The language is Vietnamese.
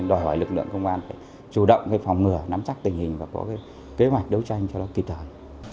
đòi hỏi lực lượng công an phải chủ động phòng ngừa nắm chắc tình hình và có kế hoạch đấu tranh cho nó kịp thời